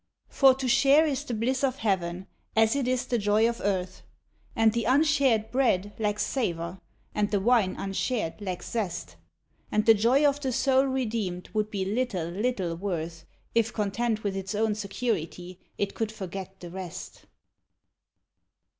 A THOUGHT 6 1 For to share is the bliss of heaven, as it is the joy of earth, And the unshared bread lacks savor, and the wine unshared lacks zest, And the joy of the soul redeemed would be little, little worth, If, content with its own security, it could forget the rest.